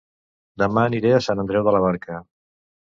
Dema aniré a Sant Andreu de la Barca